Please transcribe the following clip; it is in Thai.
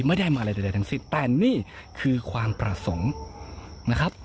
ไม่ได้มาอะไรใดทั้งสิ้นแต่นี่คือความประสงค์นะครับ